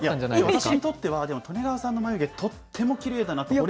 私にとっては、利根川さんの眉毛、とってもきれいだなとほれ